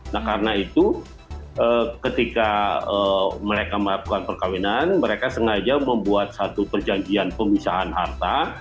nah karena itu ketika mereka melakukan perkawinan mereka sengaja membuat satu perjanjian pemisahan harta